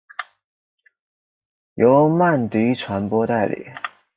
由曼迪传播代理。